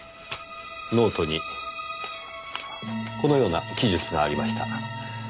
ノートにこのような記述がありました。